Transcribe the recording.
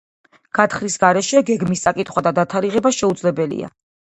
გათხრის გარეშე გეგმის წაკითხვა და დათარიღება შეუძლებელია.